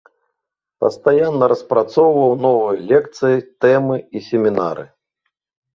Пастаянна распрацоўваў новыя лекцыі, тэмы і семінары.